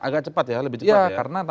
agak cepat ya lebih cepat ya karena